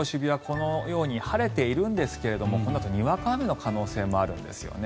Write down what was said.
このように晴れているんですがこのあと、にわか雨の可能性もあるんですよね。